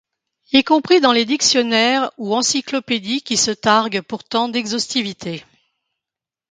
Y compris dans les dictionnaires ou encyclopédies qui se targuent pourtant d'exhaustivité.